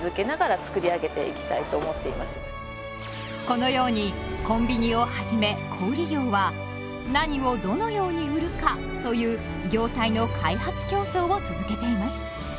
このようにコンビニをはじめ小売業は「何をどのように売るか？」という業態の開発競争を続けています。